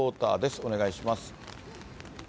お願いします。